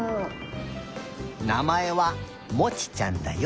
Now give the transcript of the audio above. なまえはモチちゃんだよ！